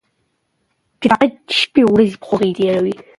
چې د تقاعد شپې ورځې په خوښۍ تېروي.